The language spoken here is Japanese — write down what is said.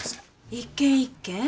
一軒一軒？